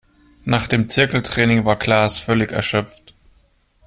Nach dem Zirkeltraining war Klaas völlig erschöpft.